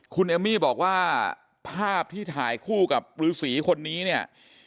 คุณเอมมี่บอกว่าภาพที่ถ่ายคู่กับฤษีคนนี้เนี่ย